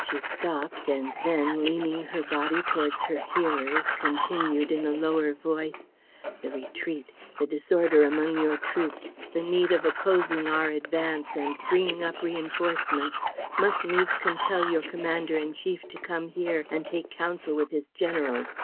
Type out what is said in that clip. She stopped and then, leaning her body towards her hearers, continued, in a lower voice: "The retreat, the disorder among your troops, the need of opposing our advance and bringing up reinforcements must needs compel your commander in chief to come here and take counsel with his generals.